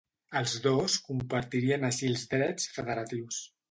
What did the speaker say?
Els dos compartirien així els drets federatius.